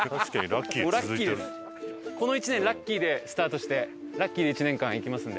この１年ラッキーでスタートしてラッキーで１年間いきますんで。